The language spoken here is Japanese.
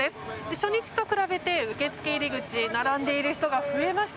初日と比べて受付入り口並んでいる人が増えました。